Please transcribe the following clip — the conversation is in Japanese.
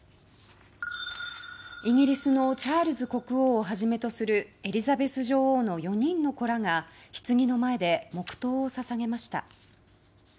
イギリスのチャールズ国王をはじめとするエリザベス女王の４人の子らがひつぎの前で黙祷を捧げました。